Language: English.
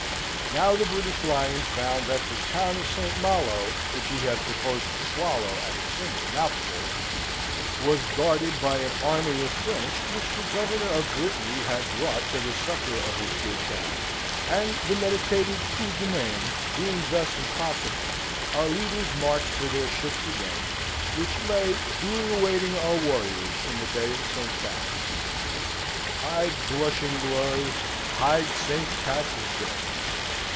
Now the British Lion found that the town of St. Malo which he had proposed to swallow at a single mouthful was guarded by an army of French, which the Governor of Brittany had brought to the succour of his good town, and the meditated coup de main being thus impossible, our leaders marched for their ships again, which lay duly awaiting our warriors in the Bay of St. Cas. Hide, blushing glory, hide St. Cas's day!